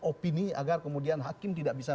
opini agar kemudian hakim tidak bisa